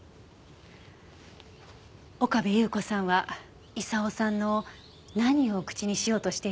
岡部祐子さんは功さんの何を口にしようとしていたんでしょう？